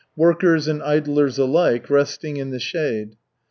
Workers and idlers alike resting in the shade.